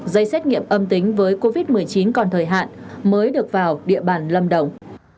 dây xét nghiệm âm tính với covid một mươi chín còn thời hạn mới được vào địa bàn lâm đồng